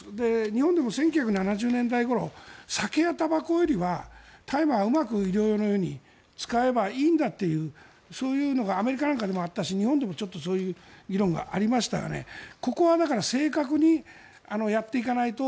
日本でも１９７０年代ごろ酒やたばこよりは、大麻はうまく医療用のように使えばいいんだというそういうのがアメリカなんかでもあったし日本でもちょっとそういう議論がありましたがここは正確にやっていかないと